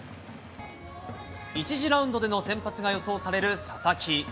１次ラウンドでの先発が予想される佐々木。